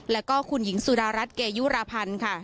แล้วก็คุณหญิงสุดารัฐเกยุราพันธ์ค่ะ